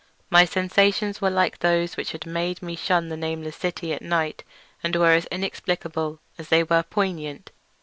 My sensations were much like those which had made me shun the nameless city at night, and were as inexplicable as they were poignant.